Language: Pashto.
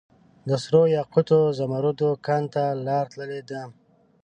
دسرو یاقوتو ، زمردو کان ته لار تللي ده